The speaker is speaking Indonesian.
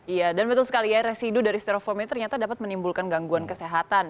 iya dan betul sekali ya residu dari stereofoam ini ternyata dapat menimbulkan gangguan kesehatan